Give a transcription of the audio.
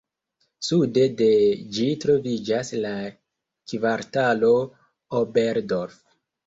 Sude de ĝi troviĝas la kvartalo Oberdorf.